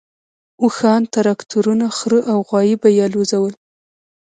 اوښان، تراکتورونه، خره او غوایي به یې الوزول.